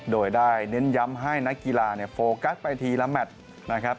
โดยได้เน้นย้ำให้นักกีฬาโฟกัสไปทีละแมทนะครับ